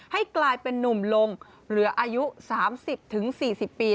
ให้กลายเป็นนุ่มลงเหลืออายุ๓๐๔๐ปี